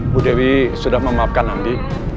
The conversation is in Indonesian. bu dewi sudah memaafkan nanti